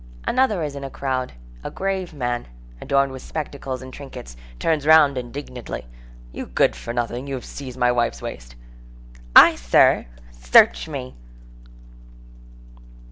Another is in a crowd. A grave man, adorned with spectacles and trinkets, turns round indignantly: "You good for nothing, you have seized my wife's waist!"—"I, sir? Search me!"